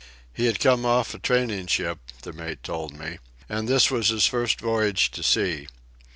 He had come off a training ship, the mate told me, and this was his first voyage to sea.